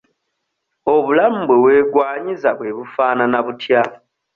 Obulamu bwe weegwaniza bwe bufaanana butya?